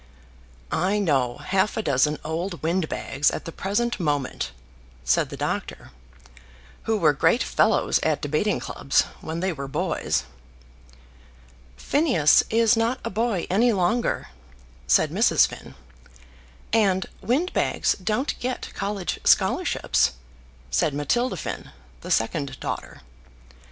"I know half a dozen old windbags at the present moment," said the doctor, "who were great fellows at debating clubs when they were boys." "Phineas is not a boy any longer," said Mrs. Finn. "And windbags don't get college scholarships," said Matilda Finn, the second daughter.